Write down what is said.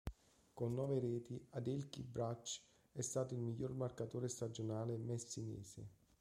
Con nove reti Adelchi Brach è stato il miglior marcatore stagionale messinese.